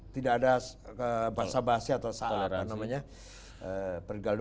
tidak ada bahasa bahasa atau pergaulan